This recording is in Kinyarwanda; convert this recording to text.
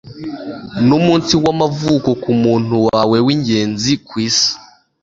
numunsi wamavuko kumuntu wawe wingenzi kwisi